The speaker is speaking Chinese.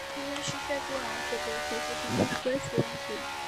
学习契约是设计来解决学习责任的归属问题。